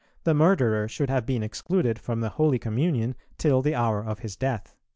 . the murderer should have been excluded from the holy communion till the hour of his death."